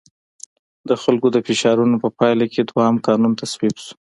د خلکو د فشارونو په پایله کې دویم قانون تصویب شو.